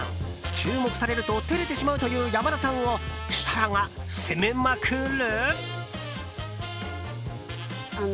注目されると照れてしまうという山田さんを設楽が攻めまくる？